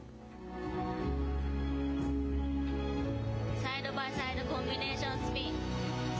サイドバイサイドコンビネーションスピン。